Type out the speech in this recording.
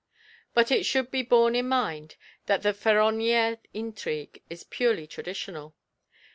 But it should be borne in mind that the Féronnière intrigue is purely traditional.